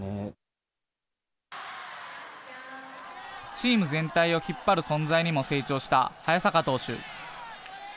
チーム全体を引っ張る存在にも成長した早坂投手。